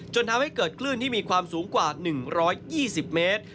ทำให้เกิดคลื่นที่มีความสูงกว่า๑๒๐เมตร